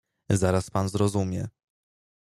"Zaraz pan zrozumie."